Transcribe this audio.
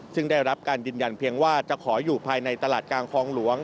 ซึ่งได้รับการยืนยันเพียงว่าจะขออยู่ภายในตลาดกลางคลองหลวง